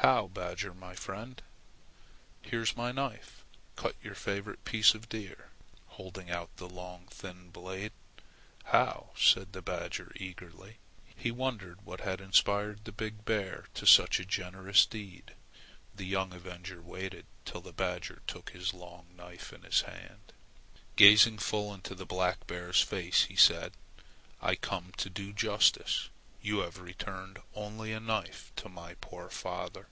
"How, badger, my friend! Here is my knife. Cut your favorite pieces from the deer," said he, holding out a long thin blade. "How!" said the badger eagerly. He wondered what had inspired the big bear to such a generous deed. The young avenger waited till the badger took the long knife in his hand. Gazing full into the black bear's face, he said: "I come to do justice. You have returned only a knife to my poor father.